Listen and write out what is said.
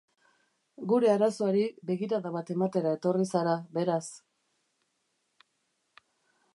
Gure arazoari begirada bat ematera etorri zara, beraz.